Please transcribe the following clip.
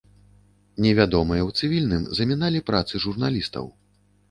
Невядомыя ў цывільным заміналі працы журналістаў.